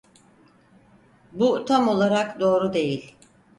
Bu tam olarak doğru değil.